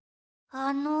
あの。